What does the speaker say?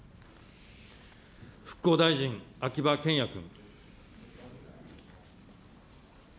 復興大臣、秋葉賢也君。